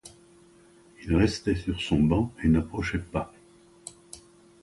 Il restait sur son banc et n’approchait pas.